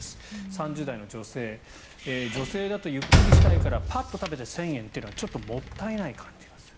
３０代の女性女性だとゆっくりしたいからパッと食べて１０００円というのはちょっともったいない感じがする。